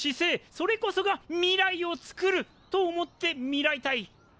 それこそが未来を作ると思ってみらいたい。